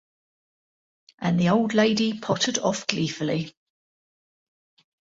And the old lady pottered off gleefully.